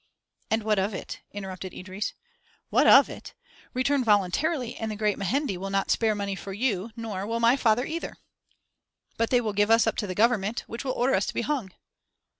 "And what of it?" interrupted Idris. "What of it? Return voluntarily and the great Mehendi will not spare money for you, nor will my father either." "But they will give us up to the Government, which will order us to be hung."